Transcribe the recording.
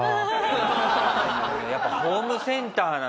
やっぱホームセンター。